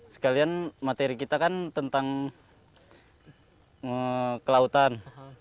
sekalian materi kita kan tentang kelautan